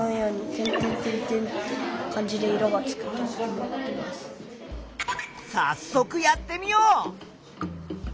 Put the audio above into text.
例えばさっそくやってみよう！